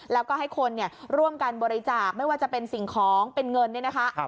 แล้วก็ให้คนร่วมกันบริจาคไม่ว่าจะเป็นสิ่งของเป็นเงินเนี่ยนะคะ